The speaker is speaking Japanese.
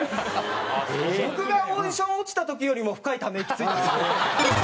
僕がオーディション落ちた時よりも深いため息ついたんですよ。